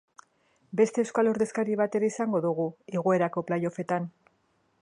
Beste euskal ordezkari bat ere izango dugu igoerako playoffetan.